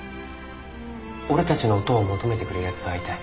俺たちの音を求めてくれるやつと会いたい。